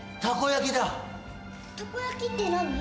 たこ焼きって何？